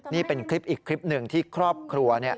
นี่เป็นคลิปอีกคลิปหนึ่งที่ครอบครัว